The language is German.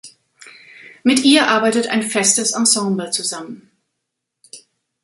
Mit ihr arbeitet ein festes Ensemble zusammen.